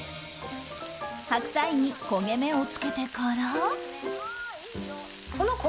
白菜に焦げ目をつけてから。